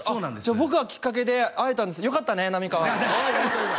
僕がきっかけで会えたんですねよかったね浪川